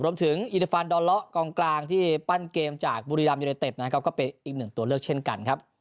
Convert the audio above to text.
รวมถึงอินฟานดรละกลางที่ปั้นเกมจากบุรีรัมยนต์ยนต์เต็ปก็เป็นอีกหนึ่งตัวเลือกเช่นกันครับ